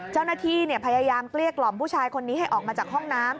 เจ้าหน้าที่พยายามเกลี้ยกล่อมผู้ชายคนนี้ให้ออกมาจากห้องน้ำ